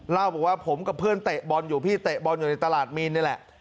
เล่าบอกว่าผมกับเพื่อนเตะบอลอยู่พี่เตะบอลอยู่ในตลาดมีนนี่แหละ